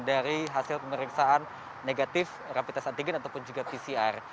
dari hasil pemeriksaan negatif rapid test antigen ataupun juga pcr